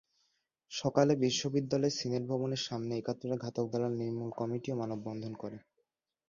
সকালে বিশ্ববিদ্যালয়ের সিনেট ভবনের সামনে একাত্তরের ঘাতক দালাল নির্মূল কমিটিও মানববন্ধন করে।